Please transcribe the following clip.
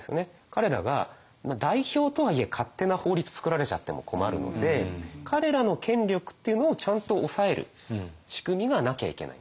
彼らが代表とはいえ勝手な法律つくられちゃっても困るので彼らの権力っていうのをちゃんと抑える仕組みがなきゃいけないんだ。